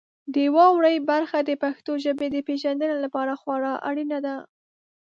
د واورئ برخه د پښتو ژبې د پیژندنې لپاره خورا اړینه ده.